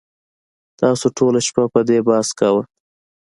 تاسو ټوله شپه په دې بحث کاوه